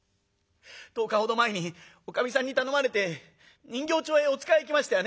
１０日ほど前におかみさんに頼まれて人形町へお使い行きましたよね」。